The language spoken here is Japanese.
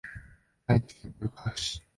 愛知県豊川市